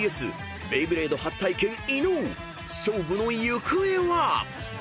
［勝負の行方は⁉］